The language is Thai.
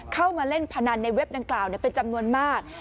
เข้ามาเล่นพนันในเว็บดังกล่าวเป็นจำนวนมาก